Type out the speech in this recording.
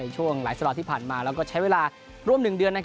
ช่วงหลายสัตว่าที่ผ่านมาแล้วใช้เวลาร่วมหนึ่งเดือน